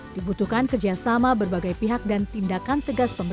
dibutuhkan kerjasama berbagai pihak dan tindakan tegas pemerintah